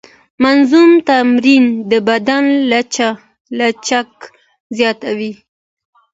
منظم تمرین د بدن لچک زیاتوي.